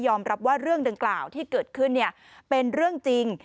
รับว่าเรื่องดังกล่าวที่เกิดขึ้นเป็นเรื่องจริง